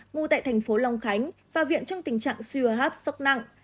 ngủ tại thành phố long khánh và viện trong tình trạng sừa hấp sốc nặng